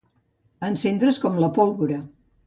Encendre's com la pólvora.